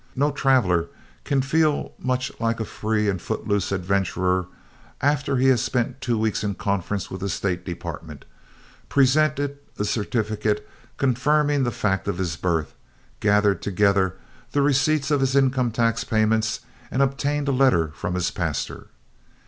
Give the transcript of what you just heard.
No traveler can feel much like a free and footloose adventurer after he has spent two weeks in conference with the State Department, presented a certificate confirming the fact of his birth, gathered together the receipts of his income tax payments and obtained a letter from his pastor.